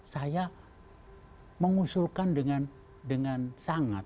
saya mengusulkan dengan sangat